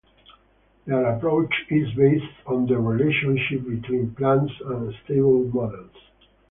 Their approach is based on the relationship between plans and stable models.